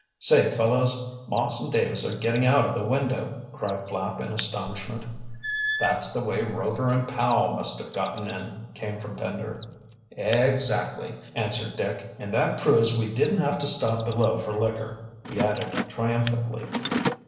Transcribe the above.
"Say, fellows, Moss and Davis are getting out of the window!" cried Flapp, in astonishment. "That's the way Rover and Powell must have gotten in," came from Pender. "Exactly," answered Dick, "and that proves we didn't have to stop below for liquor," he added triumphantly.